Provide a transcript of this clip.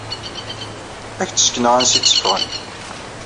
Ad k-d-ssekneɣ ansi tteffɣen.